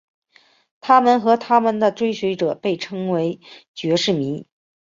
他们和他们的追随者被称为爵士迷。